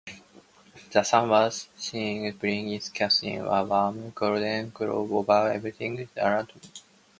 The sun was shining brightly, casting a warm golden glow over everything around me.